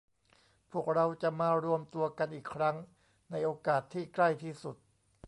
พวกเราจะมารวมตัวกันอีกครั้งในโอกาสที่ใกล้ที่สุด